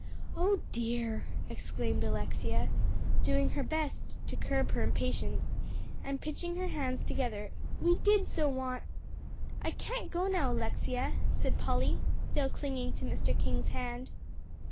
"Oh dear!" exclaimed Alexia, doing her best to curb her impatience, and pinching her hands together, "we did so want " "I can't go now, Alexia," said Polly, still clinging to Mr. King's hand.